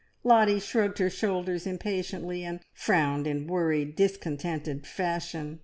Lottie shrugged her shoulders impatiently, and frowned in worried, discontented fashion.